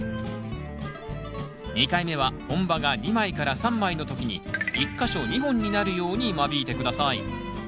２回目は本葉が２枚から３枚の時に１か所２本になるように間引いて下さい。